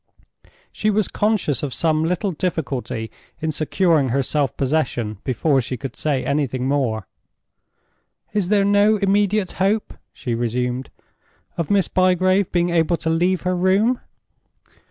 She was conscious of some little difficulty in securing her self possession before she could say anything more. "Is there no immediate hope," she resumed, "of Miss Bygrave being able to leave her room?"